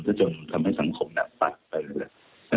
จะจงทำให้สังคมน่ะปัดไปเลย